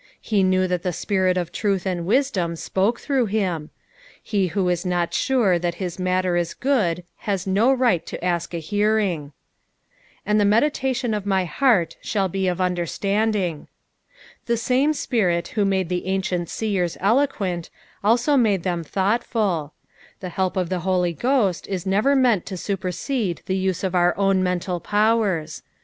He knew that the Spirit of truth and wisdom spoke through bim. He who ia not sure that his matter is good has do riffht to uk a heariDK. "■And the meditation of my hxirt $kaU ha qf tmder*tanding." The same Bpirit who made the ancient seen eloquent, also made them thoaght fuL The help of the Hoi; Ghost was nerer meant to supersede the use of our own mental powers.